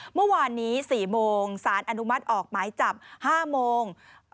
เมื่อวานนี้๔โมงสารอนุมัติออกหมายจับ๕โมง